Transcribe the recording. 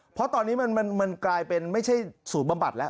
เพราะตอนนี้มันกลายเป็นไม่ใช่ศูนย์บำบัดแล้ว